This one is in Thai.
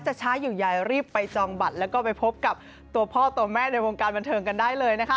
จะช้าอยู่ใยรีบไปจองบัตรแล้วก็ไปพบกับตัวพ่อตัวแม่ในวงการบันเทิงกันได้เลยนะคะ